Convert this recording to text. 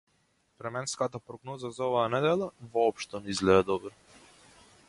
Временската прогноза за оваа недела воопшто не изгледа добро.